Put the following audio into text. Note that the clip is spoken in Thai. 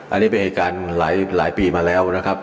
อันนี้เป็นเหตุการณ์หลายปีมาแล้วนะครับ